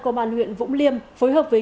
công an huyện vũng liêm phối hợp với